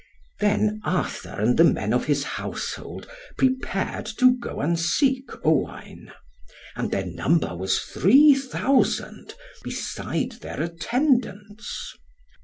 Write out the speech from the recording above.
Then Arthur and the men of his household prepared to go and seek Owain; and their number was three thousand, beside their attendants.